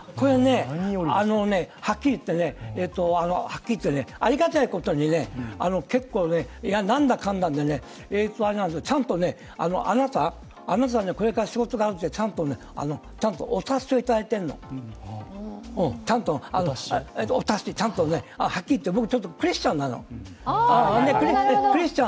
あのね、はっきりいってねありがたいことにね、結構ね何だかんだで、ちゃんとね、あなたにこれから仕事があるって、ちゃんとお達しをいただいているの。ちゃんとお達しね、はっきりいって僕クリスチャンなの。